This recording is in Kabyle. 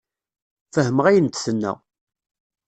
Fehmeɣ ayen d-tenna.